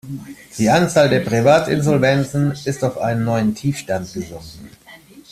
Die Anzahl der Privatinsolvenzen ist auf einen neuen Tiefstand gesunken.